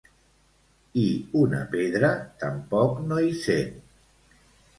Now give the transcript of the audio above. I una pedra tampoc no hi sent.